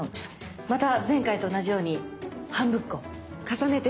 また前回と同じように半分こ重ねて。